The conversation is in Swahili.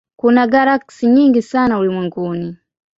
Kuna galaksi nyingi sana ulimwenguni.